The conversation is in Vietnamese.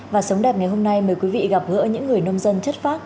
và sống đẹp ngày hôm nay mời quý vị gặp gỡ những người nông dân chất phác